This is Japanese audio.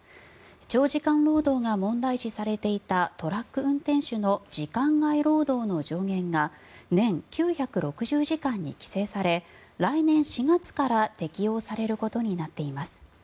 長時間労働が問題視されていたトラック運転手の時間外労働の上限が年９６０時間に規制され来年４月から適用されることになっています。